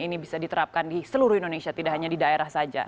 ini bisa diterapkan di seluruh indonesia tidak hanya di daerah saja